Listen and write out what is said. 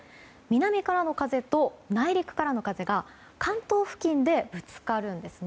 南からの風と内陸からの風が関東付近でぶつかるんですね。